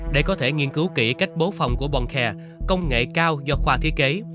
để có thể nghiên cứu kỹ cách bố phòng của bonkhe công nghệ cao do khoa thiết kế